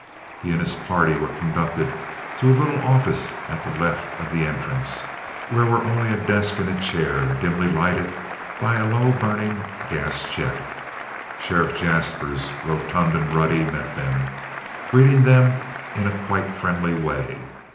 He and his party were conducted to a little office to the left of the entrance, where were only a desk and a chair, dimly lighted by a low burning gas jet. Sheriff Jaspers, rotund and ruddy, met them, greeting them in quite a friendly way.